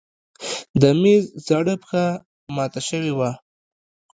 د مېز زاړه پښه مات شوې وه.